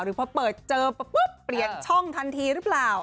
พอเปิดเจอปุ๊บเปลี่ยนช่องทันทีหรือเปล่า